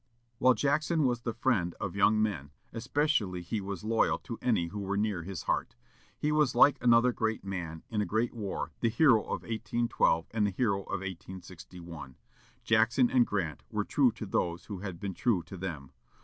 While Jackson was the friend of young men, especially he was loyal to any who were near his heart. He was like another great man, in a great war, the hero of 1812 and the hero of 1861. Jackson and Grant were true to those who had been true to them.